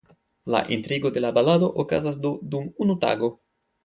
La intrigo de la balado okazas do dum unu tago.